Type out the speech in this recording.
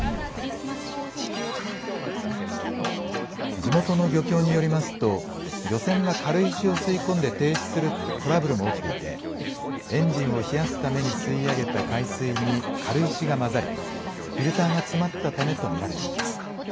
地元の漁協によりますと、漁船が軽石を吸い込んで停止するトラブルも起きていて、エンジンを冷やすために吸い上げた海水に軽石が混ざり、フィルターが詰まったためと見られています。